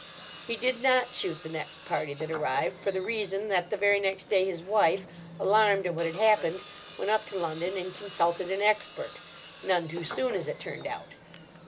He did not shoot the next party that arrived, for the reason that the very next day his wife, alarmed at what had happened, went up to London and consulted an expert—none too soon, as it turned out.